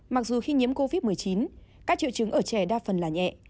mặc dù khi nhiễm covid một mươi chín các triệu chứng ở trẻ đa phần là nhẹ